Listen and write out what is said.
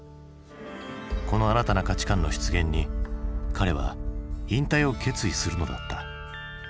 この新たな価値観の出現に彼は引退を決意するのだった。